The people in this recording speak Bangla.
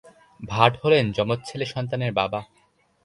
ভাট হলেন যমজ ছেলে সন্তানের বাবা।